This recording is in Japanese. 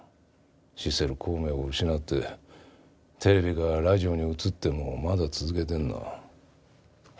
シセル光明を失ってテレビからラジオに移ってもまだ続けてるのは。